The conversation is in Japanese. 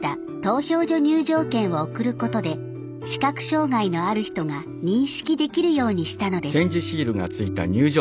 入場券を送ることで視覚障害のある人が認識できるようにしたのです。